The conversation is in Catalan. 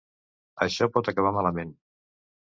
Això pot acabar malament.